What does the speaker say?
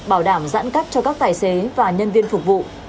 bảo đảm giãn cách cho các tài xế và nhân viên phục vụ